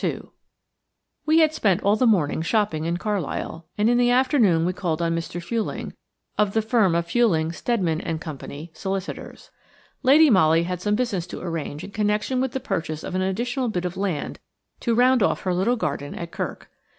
2 WE had spent all the morning shopping in Carlisle, and in the afternoon we called on Mr. Fuelling, of the firm of Fuelling, Steadman and Co., solicitors. Lady Molly had some business to arrange in connection with the purchase of an additional bit of land to round off her little garden at Kirk.